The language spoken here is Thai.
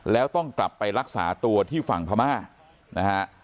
แล้วต้องกลับไปรักษาตัวที่ฝั่งพม่านะฮะ